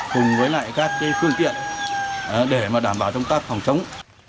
cùng với lại các phương tiện để đảm bảo trong các phòng chống